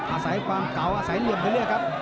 อาศัยความเก่าอาศัยเหลี่ยมไปเรื่อยครับ